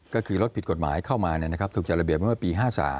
ก็คือรถผิดกฎหมายเข้ามาถูกจัดระเบียบเมื่อปี๕๓